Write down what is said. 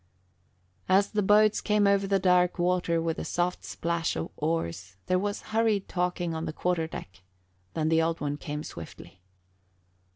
As the boats came over the dark water, with the soft splash of oars, there was hurried talking on the quarter deck, then the Old One came swiftly.